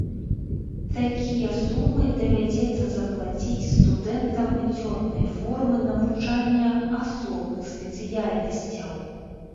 Такія сумы давядзецца заплаціць студэнтам дзённай формы навучання асобных спецыяльнасцяў.